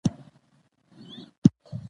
مېلې خلک هڅوي، چې خپل محلې محصولات معرفي کړي.